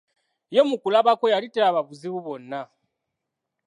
ye mu kulaba kwe yali talaba buzibu bwonna.